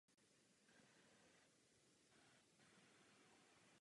Příslušníci rodu většinou sloužili ve vojsku.